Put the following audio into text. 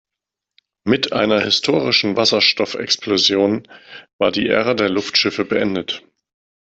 Mit einer historischen Wasserstoffexplosion war die Ära der Luftschiffe beendet.